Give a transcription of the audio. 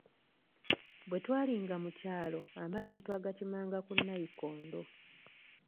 Bwetwalinga mu kyalo, amazzi twagakimanga ku nnayikondo.